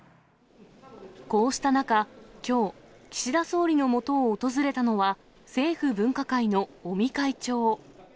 こうした中、きょう岸田総理のもとを訪れたのは、政府分科会の尾身会長。